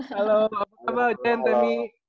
halo apa kabar jen temi